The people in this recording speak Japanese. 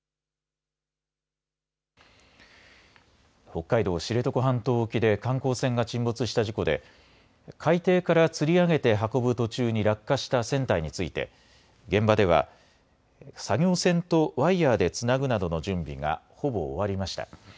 北海道・知床半島沖で観光船が沈没した事故で海底からつり上げて運ぶ途中に落下した船体について現場では作業船とワイヤーでつなぐなどの準備がほぼ終わりました。